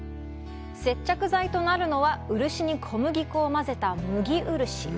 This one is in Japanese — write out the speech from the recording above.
接着剤となるのは漆に小麦粉を混ぜた「麦漆」。